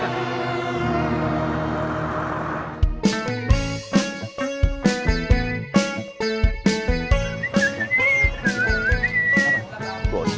kiamat semakin dekat